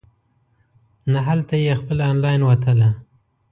نه هلته یې خپله انلاین وتله.